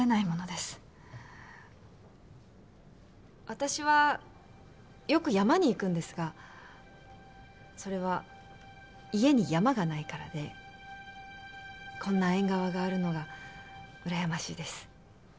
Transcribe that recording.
私はよく山に行くんですがそれは家に山がないからでこんな縁側があるのが羨ましいです。